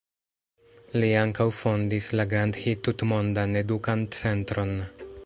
Li ankaŭ fondis la Gandhi Tutmondan Edukan Centron.